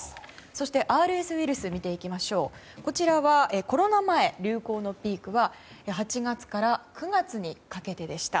そして、ＲＳウイルスを見ていきますとこちらは、コロナ前流行のピークは８月から９月にかけてでした。